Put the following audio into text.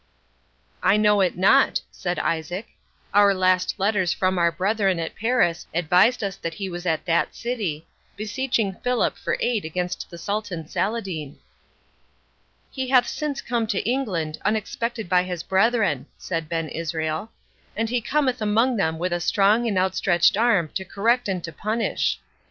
"I know it not," said Isaac; "our last letters from our brethren at Paris advised us that he was at that city, beseeching Philip for aid against the Sultan Saladine." "He hath since come to England, unexpected by his brethren," said Ben Israel; "and he cometh among them with a strong and outstretched arm to correct and to punish.